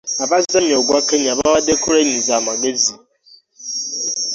Abazannyua ogwa Kenya bawaddede cranes amagezi.